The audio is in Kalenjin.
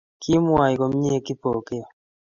Kimwoi komie Kipokeo